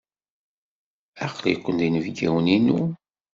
Aql-iken d inebgiwen-inu.